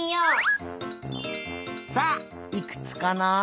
さあいくつかな？